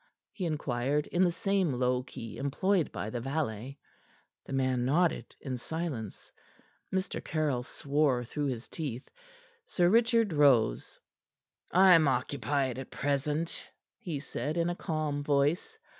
he inquired in the same low key employed by the valet. The man nodded in silence. Mr. Caryll swore through his teeth. Sir Richard rose. "I am occupied at present," he said in a calm voice.